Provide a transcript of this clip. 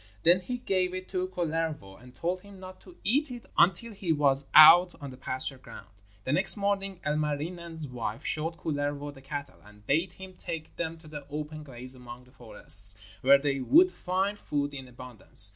Then she gave it to Kullervo and told him not to eat it until he was out on the pasture ground. The next morning Ilmarinen's wife showed Kullervo the cattle, and bade him take them to the open glades among the forests, where they would find food in abundance.